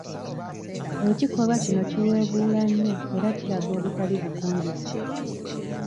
Ekikolwa kino kiweebuula nnyo era kiraga obutali bugunjufu.